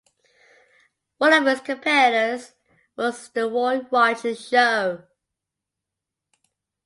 One of its competitors was "The Roy Rogers Show".